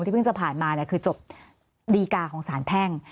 เพิ่งจะผ่านมาคือจบดีกาของสารแพ่ง